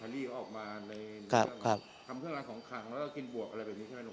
ที่ว่าออกมาในครับครับทำเครื่องล้างของขังแล้วก็กินบวกอะไรแบบนี้ใช่ไหม